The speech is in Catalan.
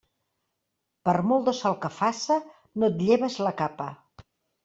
Per molt de sol que faça, no et lleves la capa.